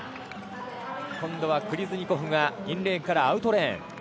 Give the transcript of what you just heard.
今度はクリズニコフがインレーンからアウトレーン。